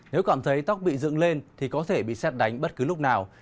nếu cảm thấy tóc bị dựng lên thì có thể bị xét đánh bất cứ lúc nào